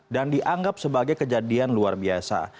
dan dianggap sebagai kejadian luar biasa